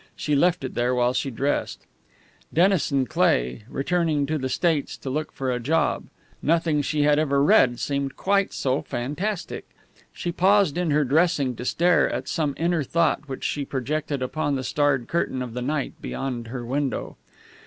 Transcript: She left it there while she dressed. Dennison Cleigh, returning to the States to look for a job! Nothing she had ever read seemed quite so fantastic. She paused in her dressing to stare at some inner thought which she projected upon the starred curtain of the night beyond her window.